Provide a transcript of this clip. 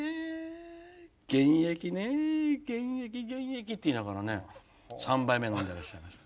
現役ねえ現役現役」って言いながら３杯目飲んでらっしゃいました。